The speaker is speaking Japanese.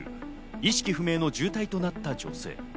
意識不明の重体となった女性。